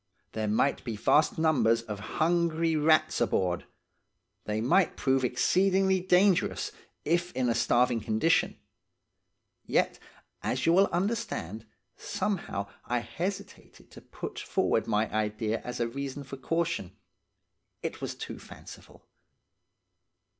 There might be vast numbers of hungry rats aboard. They might prove exceedingly dangerous, if in a starving condition; yet, as you will understand, somehow I hesitated to put forward my idea as a reason for caution, it was too fanciful.